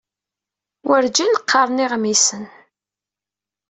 Werǧin qqaren iɣmisen.